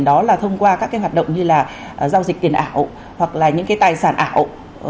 đó là thông qua các cái hoạt động như là giao dịch tiền ảo hoặc là những cái tài sản ảo